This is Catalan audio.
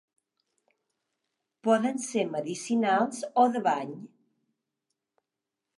Poden ser medicinals o de bany.